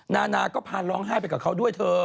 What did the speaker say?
นานาก็พาร้องไห้ไปกับเขาด้วยเธอ